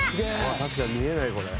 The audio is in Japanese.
確かに見えないこれ。